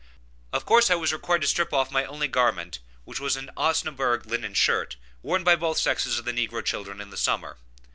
Of course I was required to strip off my only garment, which was an Osnaburg linen shirt, worn by both sexes of the negro children in the summer.